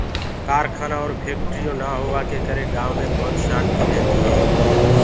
ڪآرکآنآ اور ڦيڪٽريونٚ نآ هوآ ڪي ڪري گآئونٚ مي ڀوت شآنتيٚ رهندي هي۔